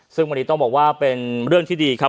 ซึ่งวันนี้ต้องบอกว่าเป็นเรื่องที่ดีครับ